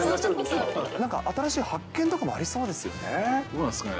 はい、なんか、新しい発見とかもあどうなんですかね。